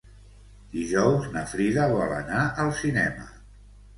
Dijous na Frida vol anar al cinema.